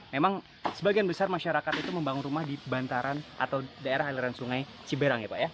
memang sebagian besar masyarakat itu membangun rumah di bantaran atau daerah aliran sungai ciberang ya pak ya